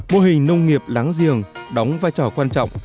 mô hình nông nghiệp láng giềng đóng vai trò quan trọng